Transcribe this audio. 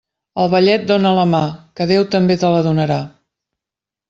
Al vellet dóna la mà, que Déu també te la donarà.